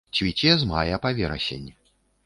Цвіце з мая па верасень.